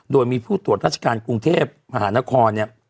โดยมีผู้ตรวจราชการกรุงเทพมหานครเนี่ย